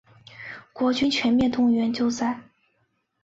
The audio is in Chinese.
国军全面动员救灾